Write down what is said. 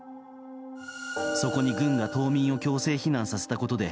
そこに軍が島民を強制避難させたことで